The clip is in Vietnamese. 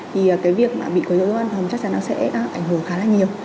thì cái việc bị quấy dối văn phòng chắc chắn nó sẽ ảnh hưởng khá là nhiều